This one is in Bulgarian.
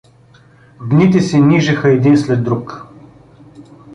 Дните се нижеха един след друг.